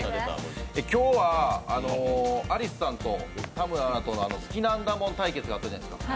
今日は、アリスさんと田村アナとの好きなんだもん対決があったじゃないですか。